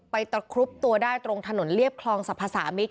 ตะครุบตัวได้ตรงถนนเรียบคลองสรรพสามิตร